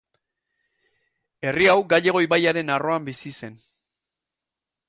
Herri hau Gallego ibaiaren arroan bizi zen.